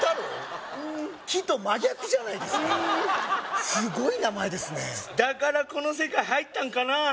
木と真逆じゃないですかうんすごい名前ですねだからこの世界入ったんかな